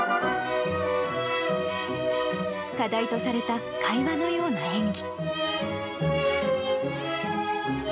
課題とされた会話のような演技。